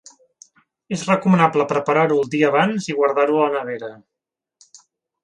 És recomanable preparar-ho el dia abans i guardar-ho a la nevera.